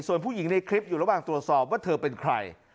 ส่วนผู้หญิงในคลิปอยู่ระหว่างตรวจสอบว่าเธอเป็นใคร